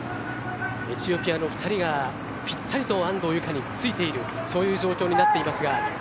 エチオピアの２人がぴったりと安藤友香についているそういう状況になっていますが。